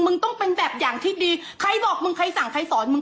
ต้องเป็นแบบอย่างที่ดีใครบอกมึงใครสั่งใครสอนมึง